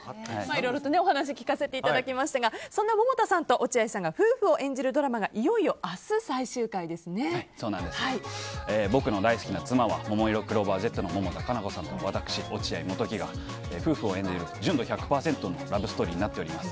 いろいろお話を聞かせていただきましたがそんな百田さんと落合さんが夫婦を演じるドラマが「僕の大好きな妻！」はももいろクローバーＺの百田夏菜子さんと私、落合モトキが夫婦を演じる純度１００％のラブストーリーになっております。